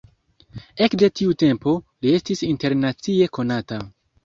Ekde tiu tempo, li estis internacie konata.